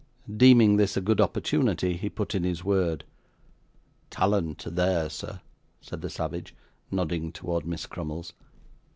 Deeming this a good opportunity, he put in his word. 'Talent there, sir!' said the savage, nodding towards Miss Crummles.